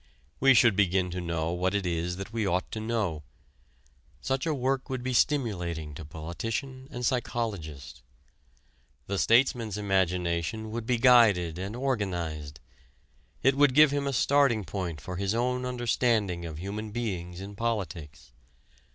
We should begin to know what it is that we ought to know. Such a work would be stimulating to politician and psychologist. The statesman's imagination would be guided and organized; it would give him a starting point for his own understanding of human beings in politics.